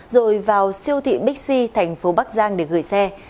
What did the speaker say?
rồi vào siêu thị bixi thành phố bắc giang để gửi xe